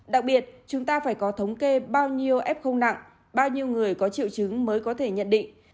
đặc biệt chúng ta phải có thống kê bao nhiêu f nặng bao nhiêu người có triệu chứng mới có thể nhận định